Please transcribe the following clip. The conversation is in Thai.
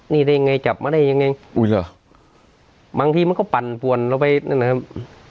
นี่ได้ยังไงจับมาได้ยังไงอุ้ยเหรอบางทีมันก็ปั่นป่วนเราไปนั่นนะครับ